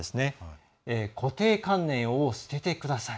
固定観念を捨ててください。